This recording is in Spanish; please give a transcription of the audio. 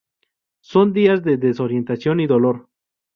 Son días de desorientación y dolor.